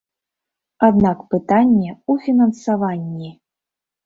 Аднак пытанне ў фінансаванні.